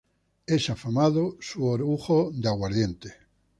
Es afamado su orujo de aguardiente.